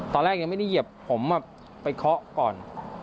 ตอนแรกยังไม่ได้เหยียบผมไปเคาะก่อน